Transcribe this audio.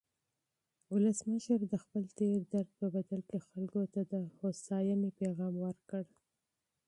ولسمشر د خپل تېر درد په بدل کې خلکو ته د هوساینې پیغام ورکړ.